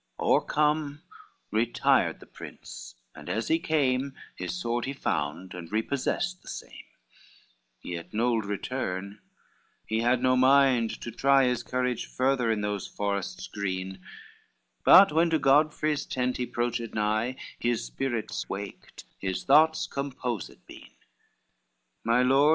O'ercome retired the prince, and as he came, His sword he found, and repossessed the same, XLVII Yet nould return, he had no mind to try His courage further in those forests green; But when to Godfrey's tent he proached nigh, His spirits waked, his thoughts composed been, "My Lord."